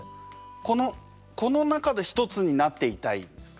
このこの中で一つになっていたいですか？